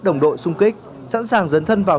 đồng đội xung kích sẵn sàng dấn thân vào